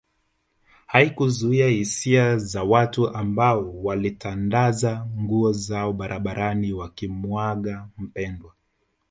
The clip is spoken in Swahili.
Haikuzuia hisia za watu ambao walitandaza nguo zao barabarani wakimuaga mpendwa